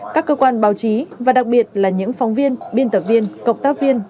các cơ quan báo chí và đặc biệt là những phóng viên biên tập viên cộng tác viên